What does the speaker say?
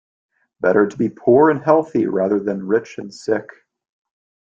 Better to be poor and healthy rather than rich and sick.